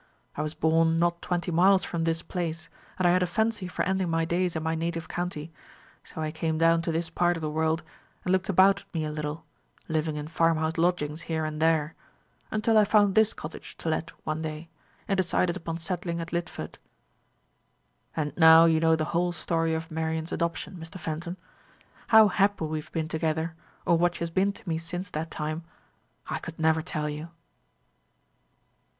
I was born not twenty miles from this place, and I had a fancy for ending my days in my native county; so I came down to this part of the world, and looked about me a little, living in farm house lodgings here and there, until I found this cottage to let one day, and decided upon settling at Lidford. And now you know the whole story of Marian's adoption, Mr. Fenton. How happy we have been together, or what she has been to me since that time, I could never tell you."